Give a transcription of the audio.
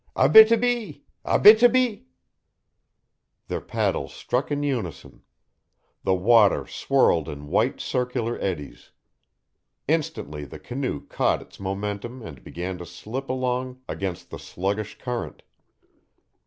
"Abítibi! Abítibi!" Their paddles struck in unison. The water swirled in white, circular eddies. Instantly the canoe caught its momentum and began to slip along against the sluggish current.